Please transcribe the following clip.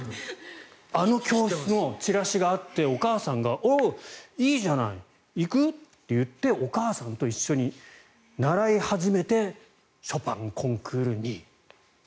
あの教室のチラシがあってお母さんがおお、いいじゃない行く？っていってお母さんと一緒に習い始めてショパンコンクール２位。